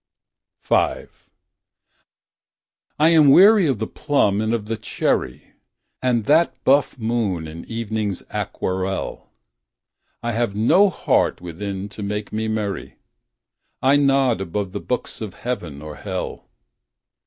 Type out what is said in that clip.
V. I am weary of the plum I am weary of the plum and of the cherry. And that buff moon in evening's aquarelle, I have no heart within to make me merry. I nod above the books of Heaven or Hell.